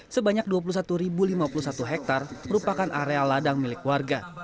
sebanyak dua puluh satu lima puluh satu hektare merupakan area ladang milik warga